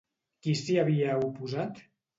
Qui s'hi havia oposat?